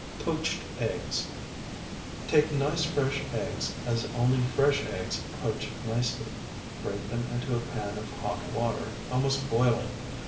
POACHED EGGS Take nice, fresh eggs, as only fresh eggs poach nicely; break them into a pan of hot water, almost boiling.